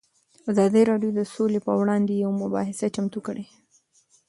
ازادي راډیو د سوله پر وړاندې یوه مباحثه چمتو کړې.